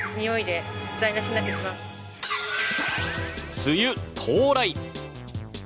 梅雨到来。